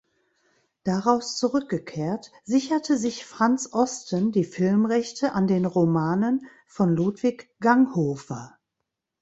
Daraus zurückgekehrt, sicherte sich Franz Osten die Filmrechte an den Romanen von Ludwig Ganghofer.